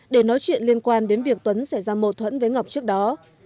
để nói chuyện liên quan đến việc tuấn xảy ra mâu thuẫn với ngọc trước đó